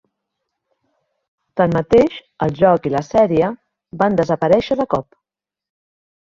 Tanmateix, el joc i la sèrie van desaparèixer de cop.